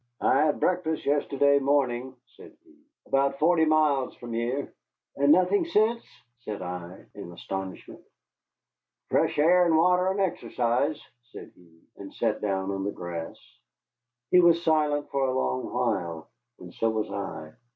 "I had breakfast yesterday morning," said he, "about forty mile from here." "And nothing since?" said I, in astonishment. "Fresh air and water and exercise," said he, and sat down on the grass. He was silent for a long while, and so was I.